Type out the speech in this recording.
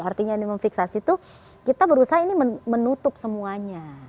artinya ini memfiksasi itu kita berusaha ini menutup semuanya